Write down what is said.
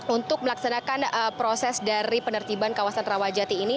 untuk melaksanakan proses dari penertiban kawasan rawajati ini